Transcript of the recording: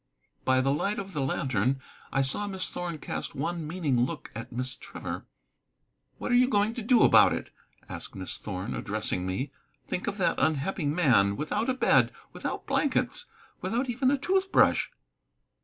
By the light of the lantern I saw Miss Thorn cast one meaning look at Miss Trevor. "What are you going to do about it?" asked Miss Thorn, addressing me. "Think of that unhappy man, without a bed, without blankets, without even a tooth brush."